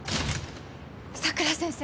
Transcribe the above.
佐倉先生！